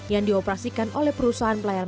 yang dioperasikan oleh perusahaan pelayan